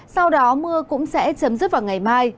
sau đó mưa cũng sẽ chấm dứt vào ngày mai